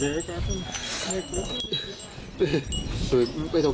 หรือก็เก็บสูงสุดแท้เนี้ยเรา